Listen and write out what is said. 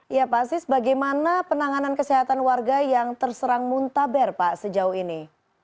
ya pak sis bagaimana penanganan kesehatan warga yang terserang muntaber pak sejauh ini